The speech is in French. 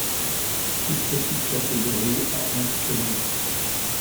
Toute petite catégorie a un squelette.